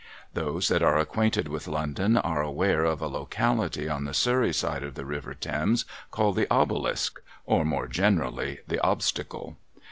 Those that are acquainted with London are aware of a locality on the Surrey side of the river Thames, called the Obelisk, or, more generally, the Obstacle.